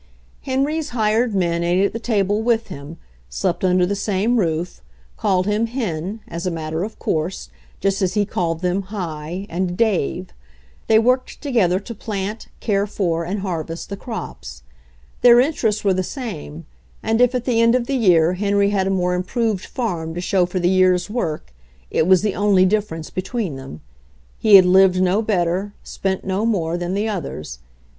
SO HENRY FORD'S OWN STORY Henry's hired men ate at the table with him, slept under the same roof, called him "Hen" as a matter of course, just as he called them "Hi" and "Dave." They worked together to plant, care for and harvest the crops. Their interests were the same, and if at the end of the year Henry had a more improved farm to show for the year's work, it was the only difference be tween them. He had lived no better, spent ho more, than the others.